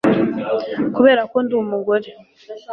Kubera ko ndi umugore